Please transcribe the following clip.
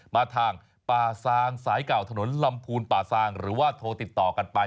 มาทางป่าซางสายเก่าถนนลำพูนป่าซางหรือว่าโทรติดต่อกันไป